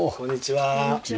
こんにちは。